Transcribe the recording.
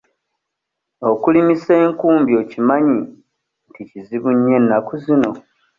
Okulimisa enkumbi okimanyi nti kizibu nnyo ennaku zino?